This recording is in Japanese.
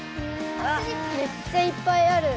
めっちゃいっぱいある。